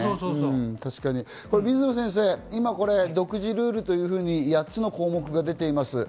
水野先生、今独自ルールというふうに８つの項目が出ています。